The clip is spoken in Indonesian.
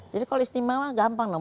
jadi kalau istimewa gampang loh